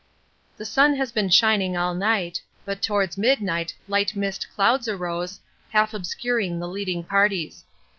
The sun has been shining all night, but towards midnight light mist clouds arose, half obscuring the leading parties.